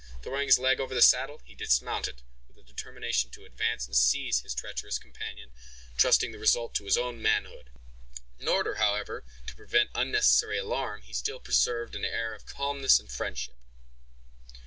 Throwing his leg over the saddle, he dismounted, with a determination to advance and seize his treacherous companion, trusting the result to his own manhood. In order, however, to prevent unnecessary alarm, he still preserved an air of calmness and friendship.